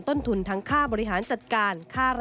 เป็นอย่างไรนั้นติดตามจากรายงานของคุณอัญชาฬีฟรีมั่วครับ